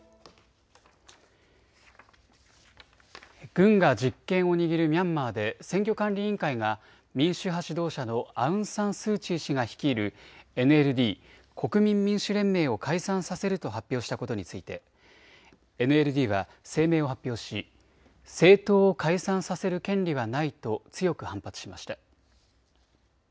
軍が実権を握るミャンマーで選挙管理委員会が民主派指導者のアウン・サン・スー・チー氏が率いるＮＬＤ・国民民主連盟を解散させると発表したことについてＮＬＤは声明を発表し政党を解散させる権利はないと強く反発しました。